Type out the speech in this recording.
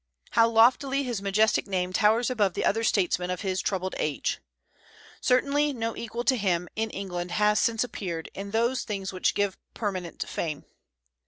How loftily his majestic name towers above the other statesmen of his troubled age! Certainly no equal to him, in England, has since appeared, in those things which give permanent fame.